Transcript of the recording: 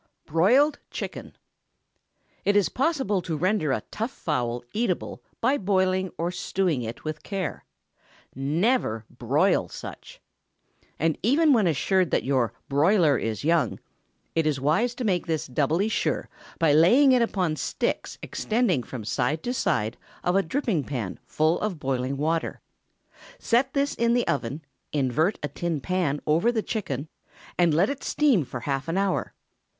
BROILED CHICKEN. It is possible to render a tough fowl eatable by boiling or stewing it with care. Never broil such! And even when assured that your "broiler" is young, it is wise to make this doubly sure by laying it upon sticks extending from side to side of a dripping pan full of boiling water. Set this in the oven, invert a tin pan over the chicken, and let it steam for half an hour.